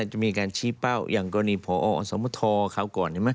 จะมีการชี้เป้าอย่างกรณีพอสมทเขาก่อน